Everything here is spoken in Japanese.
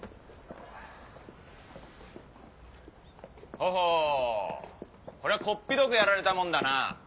ほほうこりゃこっぴどくやられたもんだな。